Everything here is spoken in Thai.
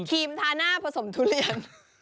รีมทาหน้าผสมทุเรียน